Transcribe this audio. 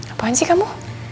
apaan sih kamu